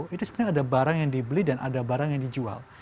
itu sebenarnya ada barang yang dibeli dan ada barang yang dijual